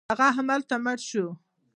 هغه همالته مړ شو.